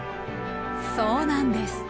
そうなんです。